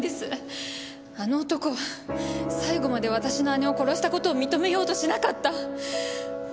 あの男は最後まで私の姉を殺した事を認めようとしなかった。